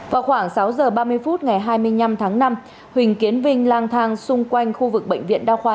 vào khoảng sáu giờ ba mươi phút ngày hai mươi năm tháng năm huỳnh tiến vinh lang thang xung quanh khu vực bệnh viện đa khoa